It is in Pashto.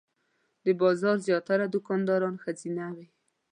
د بازار زیاتره دوکانداران ښځینه وې.